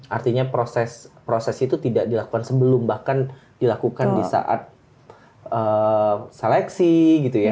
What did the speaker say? artinya proses itu tidak dilakukan sebelum bahkan dilakukan di saat seleksi gitu ya